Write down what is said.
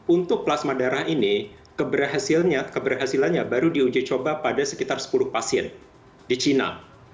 untuk plasma darah ini keberhasilannya baru diuji coba pada sekitar sepuluh pasien di china